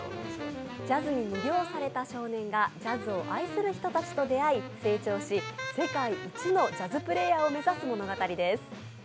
ジャズに魅了された少年がジャズを愛する人たちと出会い成長し、世界一のジャズプレーヤーを目指す物語です。